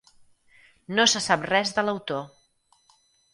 No se sap res de l'autor.